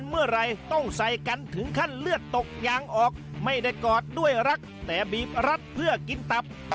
ไม่ได้กอดด้วยรักแต่บีบรัดเพื่อกินตับ